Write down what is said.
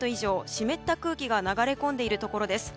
湿った空気が流れ込んでいるところです。